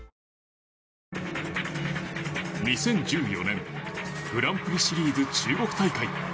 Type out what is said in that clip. ２０１４年グランプリシリーズ中国大会。